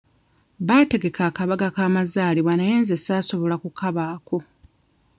Baategeka akabaga k'amazaalibwa naye nze saasobola kukabaako.